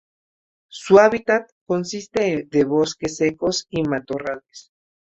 Su hábitat consiste de bosques secos y matorrales.